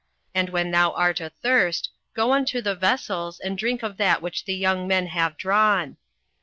and when thou art athirst, go unto the vessels, and drink of that which the young men have drawn.